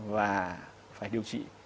và phải điều trị